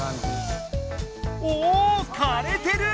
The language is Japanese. おかれてる！